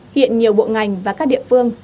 hiện nhiều bộ ngành và các địa phương